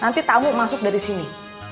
nanti tamu masuk dari sini